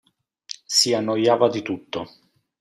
Si annoiava di tutto.